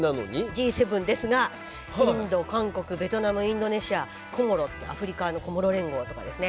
Ｇ７ですがインド韓国ベトナムインドネシアコモロってアフリカのコモロ連合とかですね